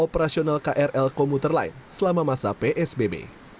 operasional krl komuter lain selama masa psbb